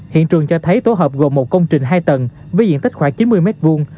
hiện trường cho thấy tổ hợp gồm một công trình hai tầng với diện tích khoảng chín mươi mét vuông